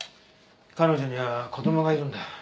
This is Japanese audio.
彼女には子供がいるんだ。